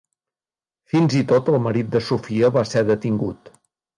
Fins i tot el marit de Sofia va ser detingut.